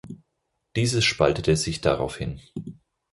Diese spaltete sich daraufhin.